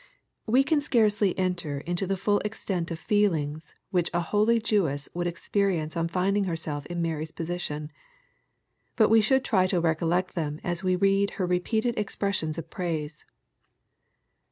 We can scarcely enter into the full extent of feelings which a holy Jewess would experience on finding herself lu MaiyB position. But we should try to recollect them as we read her repeated expressions of praise.